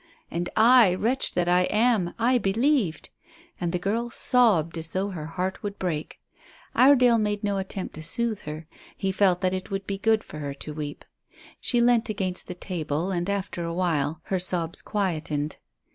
And I, wretch that I am, I believed." And the girl sobbed as though her heart would break. Iredale made no attempt to soothe her; he felt that it would be good for her to weep. She leant against the table, and after a while her sobs quietened.